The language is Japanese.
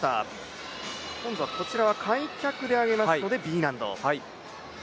今度はこちらは開脚で上げますのでＢ難度。